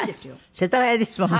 世田谷ですもんね。